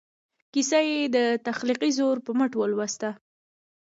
کیسه یې د تخلیقي زور په مټ ولوسته.